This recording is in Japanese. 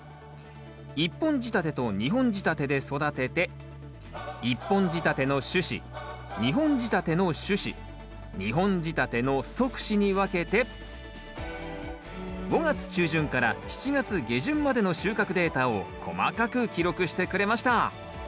１本仕立てと２本仕立てで育てて１本仕立ての主枝２本仕立ての主枝２本仕立ての側枝に分けて５月中旬から７月下旬までの収穫データを細かく記録してくれました。